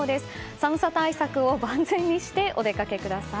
寒さ対策を万全にしてお出かけください。